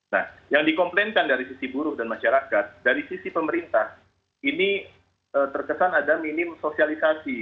nah yang dikomplainkan dari sisi buruh dan masyarakat dari sisi pemerintah ini terkesan ada minim sosialisasi